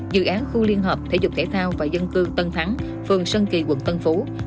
dự án khu liên hợp thể dục thể thao và dân cư tân thắng phường sơn kỳ quận tân phú